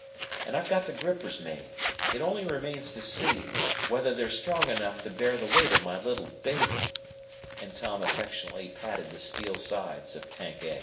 And I've got the grippers made. It only remains to see whether they're strong enough to bear the weight of my little baby," and Tom affectionately patted the steel sides of Tank A.